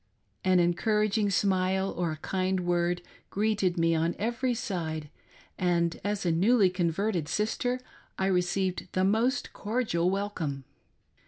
An encouraging smile, or a kind word, greeted me on every side, and, as a newly converted sister, I received the most cordial welcome.